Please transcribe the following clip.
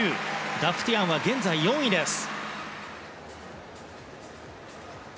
ダフティアンは現在４位です。